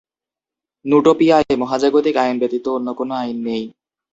নুটোপিয়ায় মহাজাগতিক আইন ব্যতীত অন্য কোন আইন নেই।